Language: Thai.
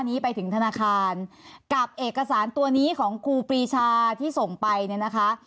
นี้ไปถึงธนาคารกับเอกสารตัวนี้ของครูปรีชาที่ส่งไปเนี่ยนะคะ